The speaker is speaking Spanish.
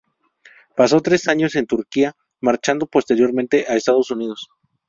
Pasó tres años en Turquía, marchando posteriormente a Estados Unidos.